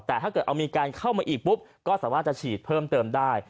แต่ถ้าอาจจะเอาอีกแบบก็สามารถฉีดเพิ่มถึงได้